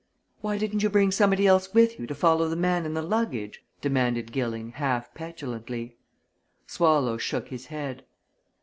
"Why didn't you bring somebody else with you, to follow the man and the luggage?" demanded Gilling, half petulantly. Swallow shook his head.